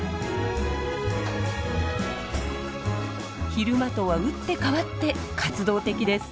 昼間とは打って変わって活動的です。